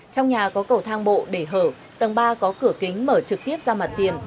trong nhà có cầu thang bộ để hở tầng ba có cửa kính mở trực tiếp ra mặt tiền